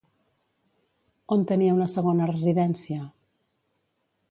On tenia una segona residència?